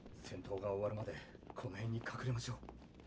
戦闘が終わるまでこの辺に隠れましょう。